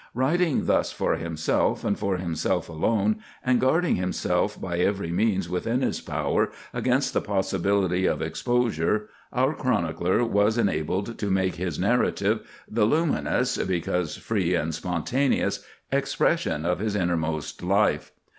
Writing thus for himself, and for himself alone, and guarding himself by every means within his power against the possibility of exposure, our chronicler was enabled to make his narrative the luminous, because free and spontaneous, expression of his innermost life.